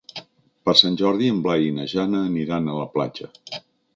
Per Sant Jordi en Blai i na Jana aniran a la platja.